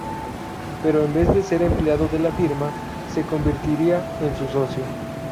Pero en vez de ser empleado de la firma, se convertiría en su socio.